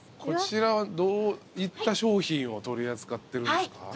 こちらはどういった商品を取り扱ってるんですか？